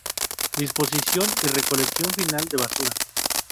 Disposición y recolección final de basura.